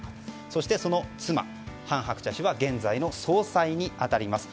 そして、その妻・韓鶴子氏は現在の総裁に当たります。